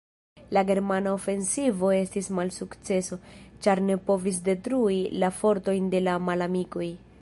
La germana ofensivo estis malsukceso, ĉar ne povis detrui la fortojn de la malamikoj.